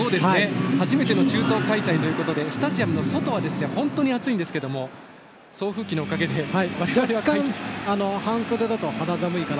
初めての中東開催ということでスタジアムの外は本当に暑いんですが送風機のおかげというか。